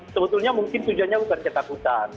sebetulnya mungkin tujuannya bukan ketakutan